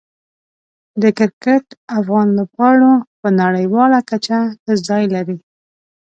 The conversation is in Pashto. د کرکټ افغان لوبغاړو په نړیواله کچه ښه ځای لري.